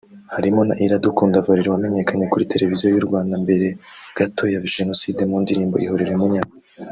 harimo na Iradukunda Valerie wamenyekanye kuri televiziyo y’u Rwanda mbere gato ya Jenoside mu ndirimbo “Ihorere Munyana”